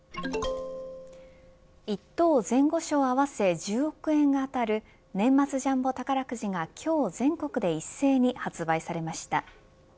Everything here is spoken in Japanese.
１等、前後賞合わせ１０億円が当たる年末ジャンボ宝くじが今日全国で一斉に発売されました。